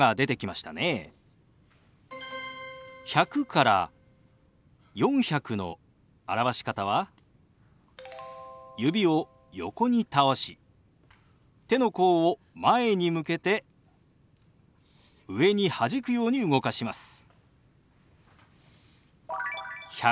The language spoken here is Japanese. １００から４００の表し方は指を横に倒し手の甲を前に向けて上にはじくように動かします。